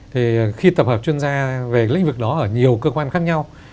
thì khi tập hợp chuyên gia về lĩnh vực đó ở nhiều cơ quan khác nhau